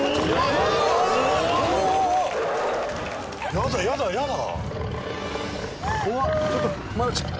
やだやだやだ！